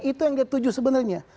itu yang dia tuju sebenarnya